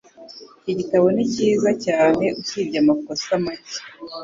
Iki gitabo ni cyiza cyane usibye amakosa make.